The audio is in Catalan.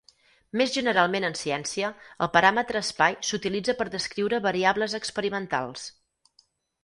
Més generalment en ciència, el paràmetre espai s'utilitza per descriure variables experimentals.